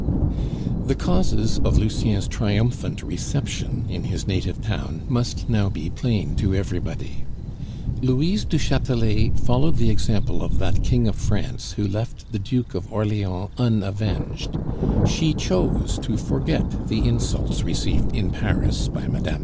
The causes of Lucien's triumphant reception in his native town must now be plain to everybody. Louise du Chatelet followed the example of that King of France who left the Duke of Orleans unavenged; she chose to forget the insults received in Paris by Mme.